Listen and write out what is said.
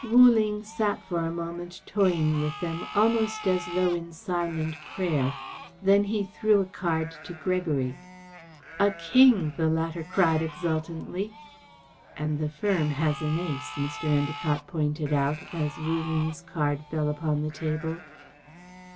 Wu Ling sat for a moment toying with them, almost as though in silent prayer. Then he threw a card to Gregory. "A king!" the latter cried exultantly. "And the firm has an ace," Mr. Endacott pointed out, as Wu Ling's card fell upon the table.